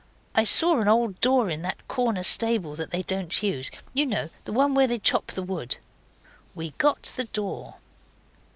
I saw an old door in that corner stable that they don't use. You know. The one where they chop the wood.' We got the door.